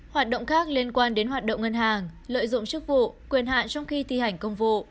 hoạt động khác liên quan đến hoạt động ngân hàng lợi dụng chức vụ quyền hạn trong khi thi hành công vụ